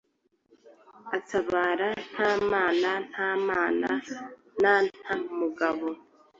atabara nta nama, nta mana na nta mugaba,